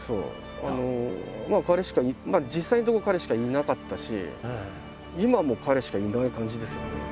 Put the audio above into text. まあ彼しか実際のところ彼しかいなかったし今も彼しかいない感じですよね。